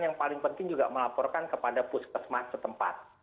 yang paling penting juga melaporkan kepada puskesmas setempat